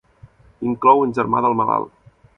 Inclou un germà del malalt.